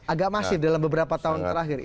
agak masif dalam beberapa tahun terakhir